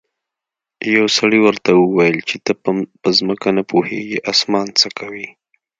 یو سړي ورته وویل چې ته په ځمکه نه پوهیږې اسمان څه کوې.